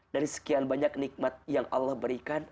dari sekian banyak nikmat yang allah berikan